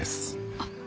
あっ。